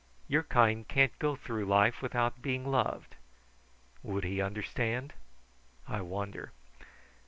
Your kind can't go through life without being loved. Would he understand? I wonder.